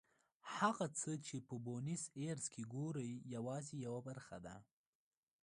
هغه څه چې په بونیس ایرس کې ګورئ یوازې یوه برخه ده.